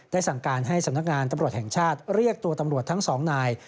สั่งการให้สำนักงานตำรวจแห่งชาติเรียกตัวตำรวจทั้งสองนาย